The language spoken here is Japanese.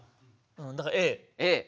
だからＡ。